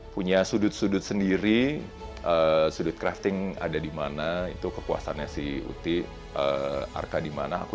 punya sudut sudut sendiri sudut crafting ada di mana itu kepuasannya si uti arka di mana aku